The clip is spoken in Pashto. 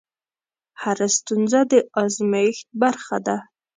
هره ستونزه د ازمېښت برخه ده.